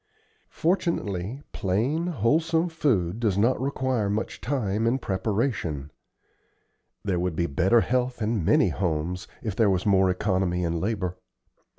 Fortunately, plain, wholesome food does not require much time in preparation. There would be better health in many homes if there was more economy in labor.